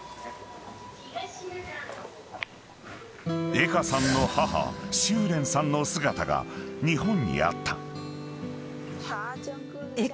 ［江歌さんの母秋蓮さんの姿が日本にあった］